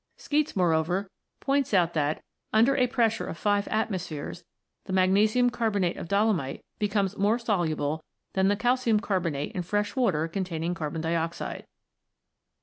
Skeatsds), moreover, points out that, under a pressure of five atmospheres the magnesium car bonate of dolomite becomes more soluble than the calcium carbonate in fresh water containing carbon dioxide.